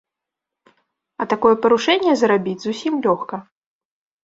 А такое парушэнне зарабіць зусім лёгка.